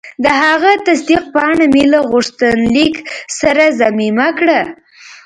د هغه تصدیق پاڼه مې له غوښتنلیک سره ضمیمه کړه.